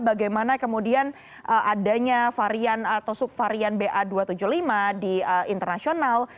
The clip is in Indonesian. bagaimana kemudian adanya varian atau subvarian ba dua ratus tujuh puluh lima di internasional